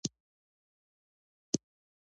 هغې وويل چې د خوښۍ ترانې او ټپې زما په برخه نه دي